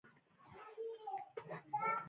هغه اس ته د جنګ روزنه ورکړه.